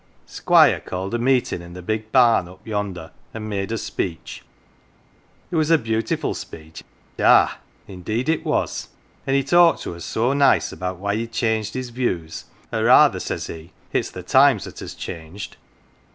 " Squire called a meetin* in the big barn up yonder, and made a speech. It was a beautiful speech, ah ! indeed it was, and he talked to us so nice about why he'd changed his views, or rather, says he, it's the times that has changed.